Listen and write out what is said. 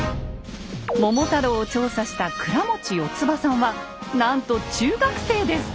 「桃太郎」を調査した倉持よつばさんはなんと中学生です！